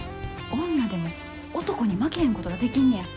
女でも男に負けへんことができんねや。